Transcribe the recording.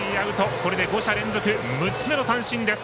これで５者連続６つ目の三振です。